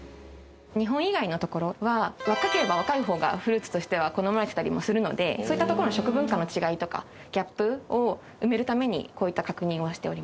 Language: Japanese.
日本以外の所は若ければ若い方がフルーツとしては好まれてたりもするのでそういったところの食文化の違いとかギャップを埋めるためにこういった確認をしております。